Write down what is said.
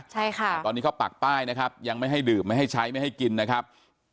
ใช่ค่ะตอนนี้เขาปักป้ายนะครับยังไม่ให้ดื่มไม่ให้ใช้ไม่ให้กินนะครับ